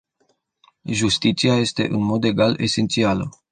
Justiția este în mod egal esențială.